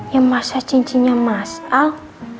ya masa cincinnya mas al